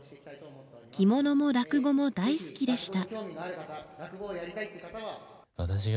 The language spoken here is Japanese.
着物も落語も大好きでした。